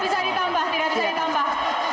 waktu tidak bisa ditambah